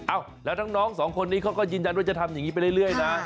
แล้วทั้งน้องสองคนนี้เขาก็ยืนยันว่าจะทำอย่างนี้ไปเรื่อยนะ